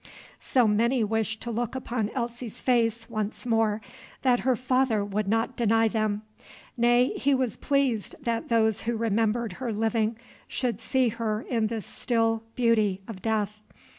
So many wished to look upon Elsie's face once more, that her father would not deny them; nay, he was pleased that those who remembered her living should see her in the still beauty of death.